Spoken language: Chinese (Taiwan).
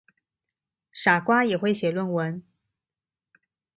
傻瓜也會寫論文